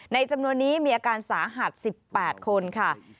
จำนวนนี้มีอาการสาหัส๑๘คนค่ะ